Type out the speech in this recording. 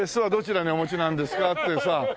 ってさ。